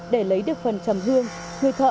để lấy được phần trầm hương người thợ